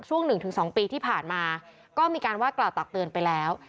ช่วง๑๒ปีที่ผ่านมาก็มีการว่ากล่าวตักเตือนไปแล้ว